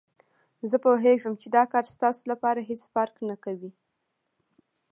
زه پوهېږم چې دا کار ستاسو لپاره هېڅ فرق نه کوي.